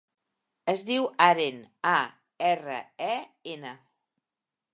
Es diu Aren: a, erra, e, ena.